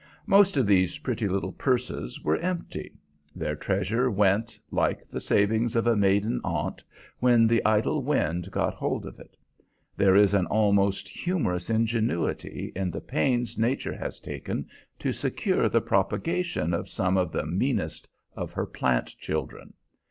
Most of these pretty little purses were empty. Their treasure went, like the savings of a maiden aunt, when the idle wind got hold of it. There is an almost humorous ingenuity in the pains Nature has taken to secure the propagation of some of the meanest of her plant children.